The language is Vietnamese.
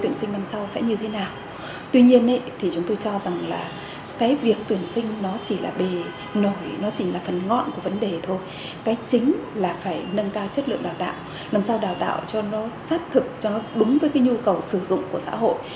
năm sau đào tạo cho nó xác thực cho nó đúng với cái nhu cầu sử dụng của xã hội